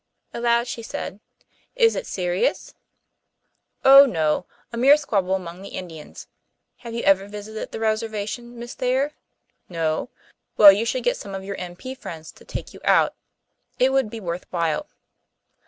Aloud she said, "Is it serious?" "Oh, no. A mere squabble among the Indians. Have you ever visited the Reservation, Miss Thayer? No? Well, you should get some of your M.P. friends to take you out. It would be worth while."